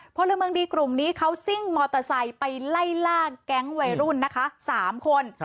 พลเมืองดีกลุ่มนี้เขาซิ่งมอเตอร์ไซค์ไปไล่ล่าแก๊งวัยรุ่นนะคะ๓คน